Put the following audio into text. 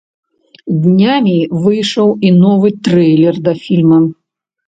Днямі выйшаў і новы трэйлер да фільма.